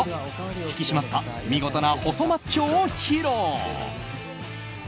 引き締まった見事な細マッチョを披露。